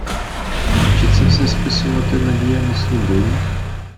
Чи це все списувати на діяльність людини?